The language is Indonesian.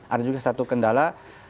ada juga satu kendala